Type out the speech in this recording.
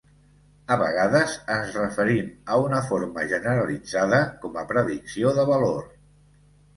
A vegades, ens referim a una forma generalitzada com a predicció de valor.